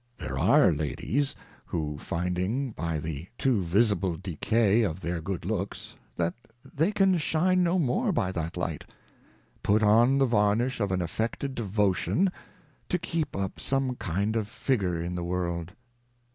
There are Ladies, who finding by the too visible decay of their good Looks, that they can shine no more by that Light, put^njthe Varnish of an affected Devotion, to keep up some kind of TTgure in the World.